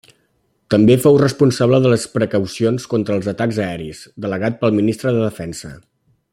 També fou responsable de les precaucions contra els atacs aeris, delegat pel Ministre de Defensa.